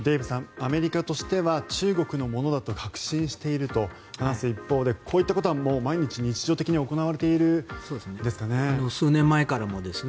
アメリカとしては中国のものだと確信していると話す一方でこういったことは毎日、日常的に行われているんですかね？